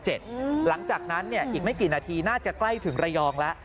หลังจากนั้นอีกไม่กี่นาทีน่าจะใกล้ถึงระยองแล้ว